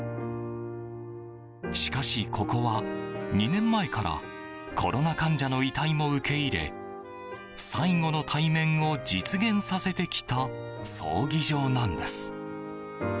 しかし、ここは２年前からコロナ患者の遺体も受け入れ最後の対面を実現させてきた葬儀場なんです。